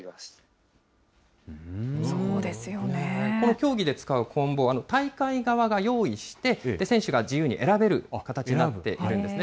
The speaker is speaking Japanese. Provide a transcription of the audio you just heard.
競技で使うこん棒、大会側が用意して、選手が自由に選べる形になっているんですね。